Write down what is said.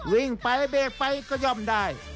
วิ่งไปเบรกไปก็ย่อมได้